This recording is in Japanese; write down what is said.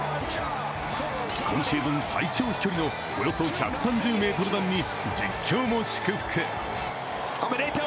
今シーズン最長飛距離のおよそ１３０ｍ弾に実況も祝福。